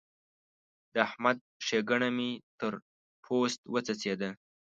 د احمد ښېګڼه مې تر پوست وڅڅېده.